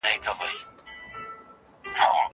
که د دین اصول عملي سي، نو پرمختګ کيدای سي.